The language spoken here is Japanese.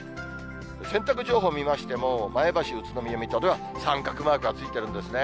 洗濯情報見ましても、前橋、宇都宮、水戸では三角マークがついてるんですね。